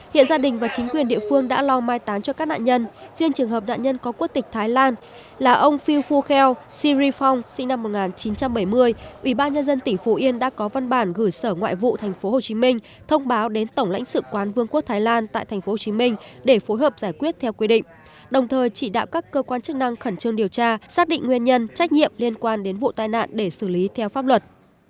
hiện gia đình và chính quyền địa phương đã lo mai tán cho các nạn nhân riêng trường hợp nạn nhân có quốc tịch thái lan là ông phil phu kheo siri phong sinh năm một nghìn chín trăm bảy mươi ủy ban nhân dân tỉnh phú yên đã có văn bản gửi sở ngoại vụ tp hcm thông báo đến tổng lãnh sự quán vương quốc thái lan tại tp hcm để phối hợp giải quyết theo quy định đồng thời chỉ đạo các cơ quan chức năng khẩn trương điều tra xác định nguyên nhân trách nhiệm liên quan đến vụ tai nạn để xử lý theo pháp luật